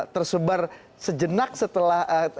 tersebar sejenak setelah